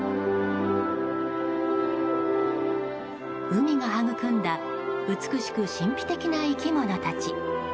海がはぐくんだ美しく神秘的な生き物たち。